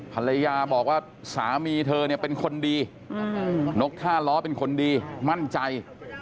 ภรรยาบอกว่าสามีเธอเนี่ยเป็นคนดีนกท่าล้อเป็นคนดีมั่นใจ